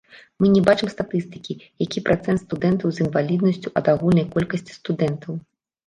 Мы не бачым статыстыкі, які працэнт студэнтаў з інваліднасцю ад агульнай колькасці студэнтаў.